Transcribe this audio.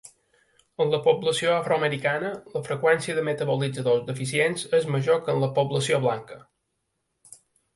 En la població afroamericana, la freqüència de metabolitzadors deficients és major que en la població blanca.